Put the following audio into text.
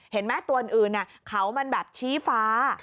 เห็นไหมตัวอื่นเขามันแบบชี้ฟ้า